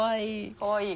かわいい。